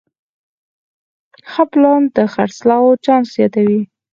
ښه پلان د خرڅلاو چانس زیاتوي.